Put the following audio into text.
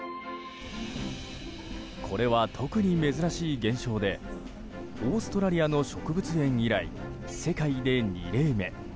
これは特に珍しい現象でオーストラリアの植物園以来世界で２例目。